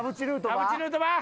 田渕ヌートバー！